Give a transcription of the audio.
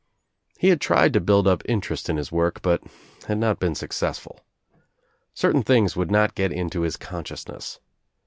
He had tried to build up interest in his work but had not been successful. Certain things would not get into his consciousness.